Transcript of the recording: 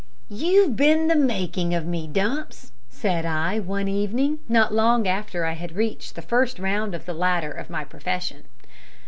"You've been the making of me, Dumps," said I, one evening, not long after I had reached the first round of the ladder of my profession.